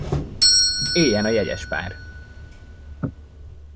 Éljen a jegyespár!